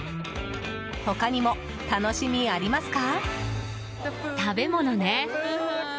他にも楽しみ、ありますか？